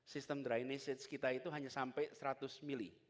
sistem drainage kita itu hanya sampai seratus mm